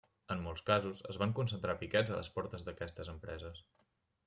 En molts casos, es van concentrar piquets a les portes d'aquestes empreses.